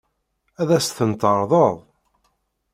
Ad as-ten-tɛeṛḍeḍ?